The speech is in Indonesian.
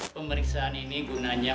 pemeriksaan ini gunanya